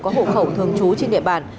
của khẩu thường trú trên địa bàn